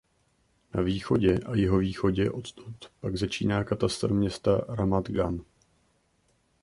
Na východě a jihovýchodě odtud pak začíná katastr města Ramat Gan.